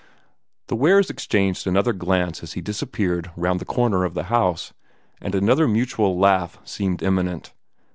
The Wares exchanged another glance as he disappeared round the corner of the house, and another mutual laugh seemed imminent.